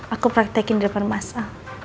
aku praktekin di depan masa